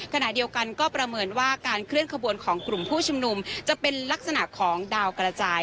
ขณะเดียวกันก็ประเมินว่าการเคลื่อนขบวนของกลุ่มผู้ชุมนุมจะเป็นลักษณะของดาวกระจาย